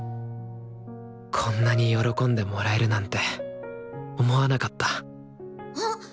こんなに喜んでもらえるなんて思わなかったあっ！